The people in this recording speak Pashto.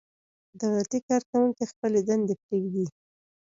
دولتي کارکوونکي خپلې دندې پرېږدي.